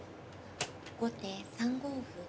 後手３五歩。